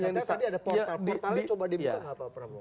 tadi ada portalnya coba dibuka nggak pak prabowo